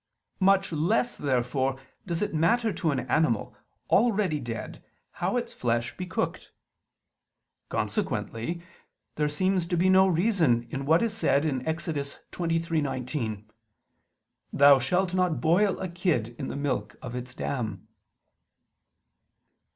Much less therefore does it matter to an animal already dead how its flesh be cooked. Consequently there seems to be no reason in what is said, Ex. 23:19: "Thou shalt not boil a kid in the milk of its dam."